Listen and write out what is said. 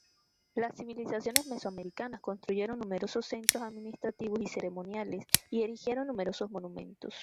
Las civilizaciones mesoamericanas construyeron numerosos centros administrativos y ceremoniales y erigieron numerosos monumentos.